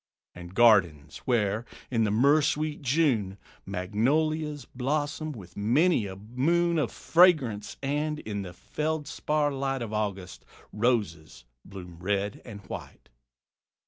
And gardens, where, in the myrrh sweet June, Magnolias blossom with many a moon Of fragrance; and, in the feldspar light Of August, roses bloom red and white.